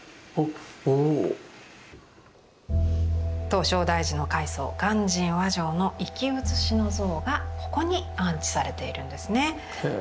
唐招提寺の開祖鑑真和上の生き写しの像がここに安置されているんですね。